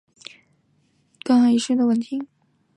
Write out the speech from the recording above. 商品化的碘甲烷试剂中通常会加入铜或银丝使其稳定。